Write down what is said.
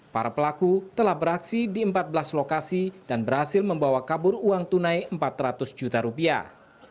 para pelaku telah beraksi di empat belas lokasi dan berhasil membawa kabur uang tunai empat ratus juta rupiah